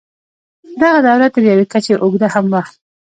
دغه دوره تر یوې کچې اوږده هم وه.